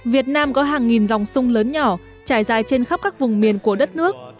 việt nam có hàng nghìn dòng sung lớn nhỏ trải dài trên khắp các vùng miền của đất nước